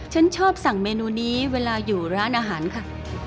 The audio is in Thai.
ฉันชอบสั่งเมนูนี้เวลาอยู่ร้านอาหารค่ะ